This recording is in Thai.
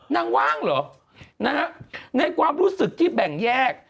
นางว่างเหรอในความรู้สึกที่แบ่งแยก